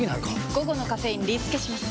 午後のカフェインリスケします！